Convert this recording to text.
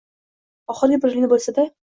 Oxirgi bir yilini bo`lsa-da